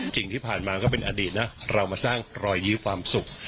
จริงที่ผ่านมาก็เป็นอดีตนะเรามาสร้างรอยยิ้มความสุข